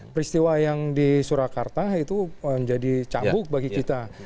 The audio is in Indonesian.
peristiwa yang di surakarta itu menjadi cambuk bagi kita